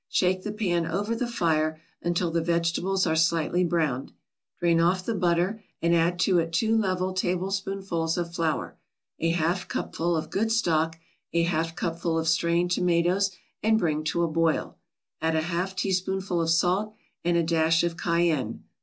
Shake the pan over the fire until the vegetables are slightly browned. Drain off the butter and add to it two level tablespoonfuls of flour, a half cupful of good stock, a half cupful of strained tomatoes, and bring to a boil. Add a half teaspoonful of salt and a dash of cayenne.